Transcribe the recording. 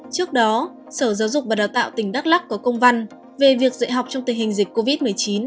trước đó sở giáo dục và đào tạo tỉnh đắk lắc có công văn về việc dạy học trong tình hình dịch covid một mươi chín